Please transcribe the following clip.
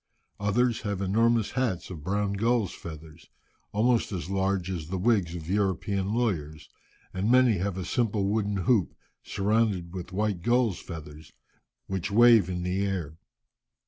Others have enormous hats of brown gulls' feathers, almost as large as the wigs of European lawyers, and many have a simple wooden hoop, surrounded with white gulls' feathers, which wave in the air.